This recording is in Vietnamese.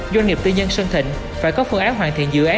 doanh nghiệp tư nhân sơn thịnh phải có phương án hoàn thiện dự án